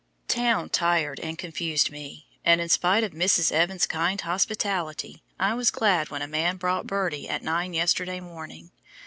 Town tired and confused me, and in spite of Mrs. Evans's kind hospitality, I was glad when a man brought Birdie at nine yesterday morning.